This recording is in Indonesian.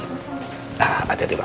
nah hati hati pak